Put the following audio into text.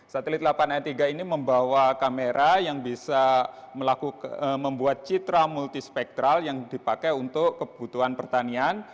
satelit delapan ayat tiga ini membawa kamera yang bisa membuat citra multispektral yang dipakai untuk kebutuhan pertanian